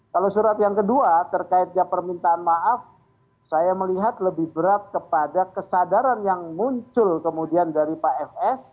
kalau surat yang kedua terkaitnya permintaan maaf saya melihat lebih berat kepada kesadaran yang muncul kemudian dari pak fs